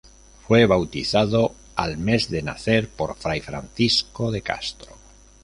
Fue bautizado al mes de nacer, por Fray Francisco de Castro.